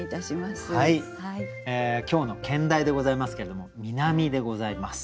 今日の兼題でございますけれども「南風」でございます。